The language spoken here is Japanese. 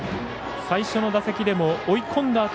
最初の打席でも追い込んだ